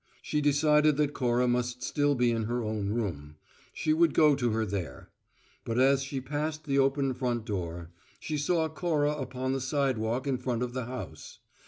She decided that Cora must still be in her own room; she would go to her there. But as she passed the open front door, she saw Cora upon the sidewalk in front of the house.